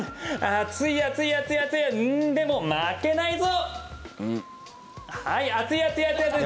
暑い暑い暑い暑いでも、負けないぞ！